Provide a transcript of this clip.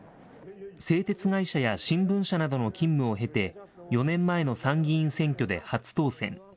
製鉄会社や新聞社などの勤務を経て、４年前の参議院選挙で初当選。